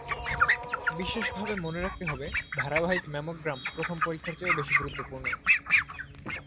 বিশেষভাবে মনে রাখতে হবে, ধারাবাহিক ম্যামোগ্রাম প্রথম পরীক্ষার চেয়েও বেশি গুরুত্বপূর্ণ।